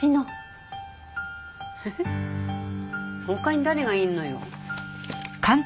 フフ他に誰がいるのよ？